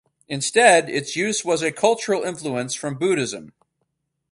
Instead, its use was a cultural influence from Buddhism.